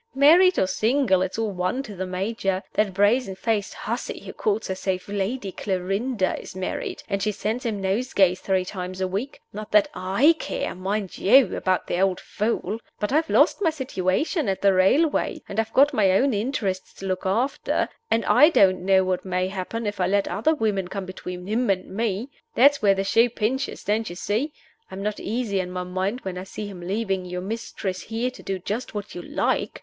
"Married or single, it's all one to the Major. That brazen faced hussy who calls herself Lady Clarinda is married, and she sends him nosegays three times a week! Not that I care, mind you, about the old fool. But I've lost my situation at the railway, and I've got my own interests to look after, and I don't know what may happen if I let other women come between him and me. That's where the shoe pinches, don't you see? I'm not easy in my mind when I see him leaving you mistress here to do just what you like.